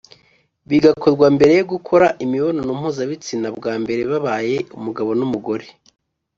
bigakorwa mbere yo gukora imibonano mpuzabitsina bwa mbere babaye umugabo n’umugore.